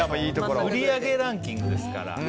売上ランキングですから。